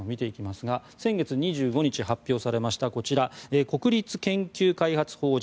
先月２５日発表されました国立研究開発法人